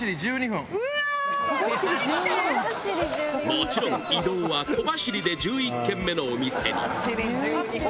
もちろん移動は小走りで１１軒目のお店にここ？